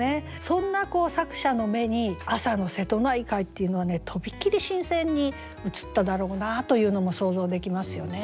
そんな作者の目に朝の瀬戸内海っていうのはとびきり新鮮に映っただろうなというのも想像できますよね。